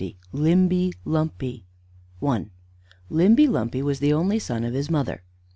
LIMBY LUMPY I LIMBY LUMPY was the only son of his mother.